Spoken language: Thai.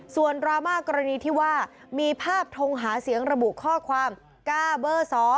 ส่วนดราม่ากรณีที่ว่ามีภาพทงหาเสียงระบุข้อความก้าเบอร์๒